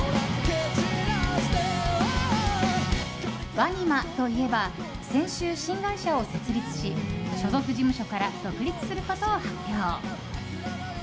ＷＡＮＩＭＡといえば先週、新会社を設立し所属事務所から独立することを発表。